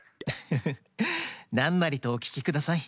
フフフなんなりとおききください。